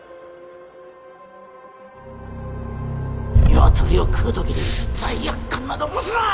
ニワトリを食う時に罪悪感など持つな！